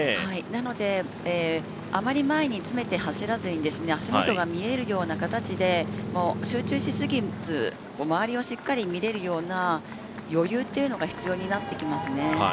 なのであまり前に詰めて走らずに足元が見えるような形で集中しすぎず周りをしっかり見れるような余裕が必要になってきますね。